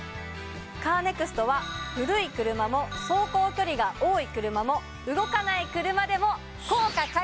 カーネクストは古い車も走行距離が多い車も動かない車でも。